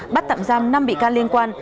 bắt tạm giam năm bị can liên quan